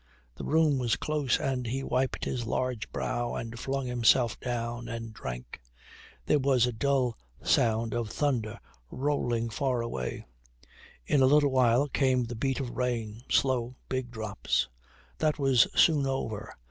The room was close, and he wiped his large brow and flung himself down and drank. There was a dull sound of thunder rolling far away. In a little while came the beat of rain slow, big drops. That was soon over.